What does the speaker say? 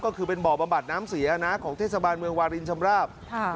ก็คือเป็นบ่อบำบัดน้ำเสียนะของเทศบาลเมืองวารินชำราบ